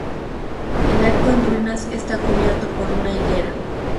El arco en ruinas está cubierto por una higuera.